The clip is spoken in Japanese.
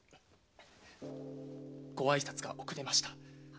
ご挨拶が遅れました。